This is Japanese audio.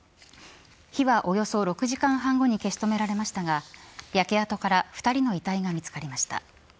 火はおよそ６時間半後に消し止められましたが焼け跡から２人の遺体が見つかりました。